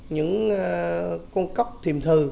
những con cóc thiềm thừ